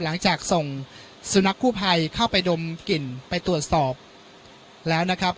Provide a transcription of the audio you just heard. หลังจากส่งสุนัขกู้ภัยเข้าไปดมกลิ่นไปตรวจสอบแล้วนะครับ